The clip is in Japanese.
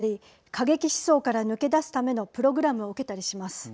女性たちは起訴されたり過激思想から抜け出すためのプログラムを受けたりします。